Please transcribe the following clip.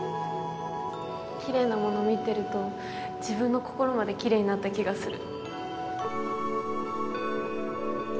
きれいなもの見てると自分の心まできれいになった気がする。